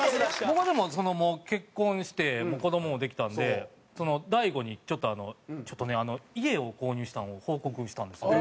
僕はでも結婚してもう子どももできたんで大悟にちょっとあの家を購入したのを報告したんですよ。